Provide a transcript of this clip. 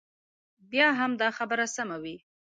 بیا به هم دا خبره سمه وي.